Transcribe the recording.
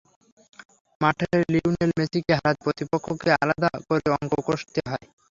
মাঠের লিওনেল মেসিকে হারাতে প্রতিপক্ষকে আলাদা করে অঙ্ক কষতে হয়।